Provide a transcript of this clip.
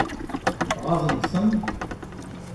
Ɣaḍent-ten?